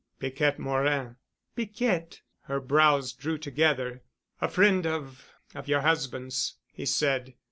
"Piquette Morin——" "Piquette—?" Her brows drew together—— "A friend of—of your husband's," he said.